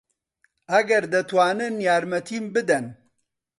ئەگەر دەتوانن یارمەتیم بدەن.